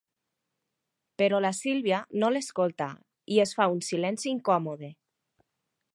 Però la Sílvia no l'escolta i es fa un silenci incòmode.